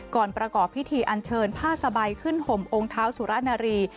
ก่อนประกอบพิธีอันเชิญผ้าสบายขึ้นห่มองท้าสุรานารี